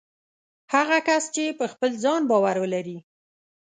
هغه کس چې په خپل ځان باور ولري